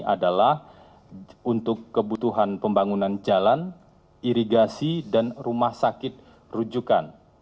adalah untuk kebutuhan pembangunan jalan irigasi dan rumah sakit rujukan